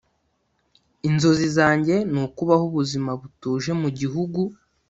inzozi zanjye ni ukubaho ubuzima butuje mu gihugu.